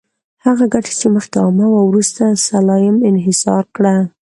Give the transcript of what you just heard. هغه ګټه چې مخکې عامه وه، وروسته سلایم انحصار کړه.